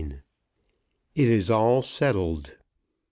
IT IS ALL SETTLED.